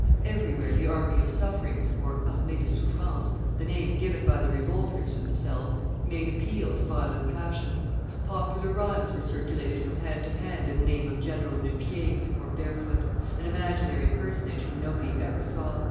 Everywhere the army of suffering (armee de souffrance), the name given by the revolters to themselves, made, appeal to violent passions; popular rhymes were circulated from hand to hand, in the name of General Nu pieds (Barefoot), an imaginary personage whom nobody ever saw.